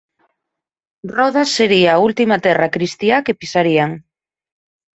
Rodas sería a última terra cristiá que pisarían.